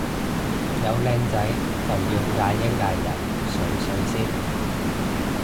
有靚仔就要嗌一嗌人上水先